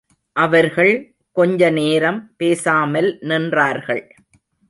அவர்கள் கொஞ்ச நேரம் பேசாமல் நின்றார்கள்.